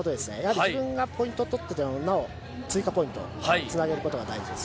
自分がポイントを取った時の追加ポイントにつなぐことが大事です。